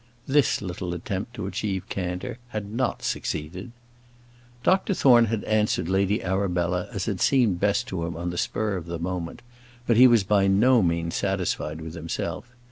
This little attempt to achieve candour had not succeeded. Dr Thorne had answered Lady Arabella as had seemed best to him on the spur of the moment; but he was by no means satisfied with himself.